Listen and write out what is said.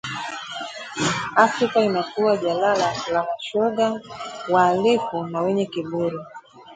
Afrika inakuwa jalala la mashoga, wahalifu na wenye kiburi